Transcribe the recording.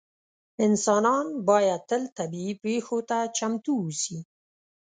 انسانان باید تل طبیعي پېښو ته چمتو اووسي.